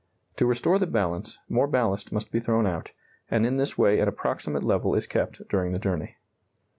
To restore the balance, more ballast must be thrown out, and in this way an approximate level is kept during the journey.